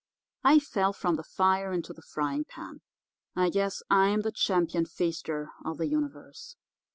I fell from the fire into the frying pan. I guess I'm the Champion Feaster of the Universe.